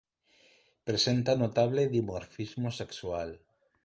Presenta notable dimorfismo sexual.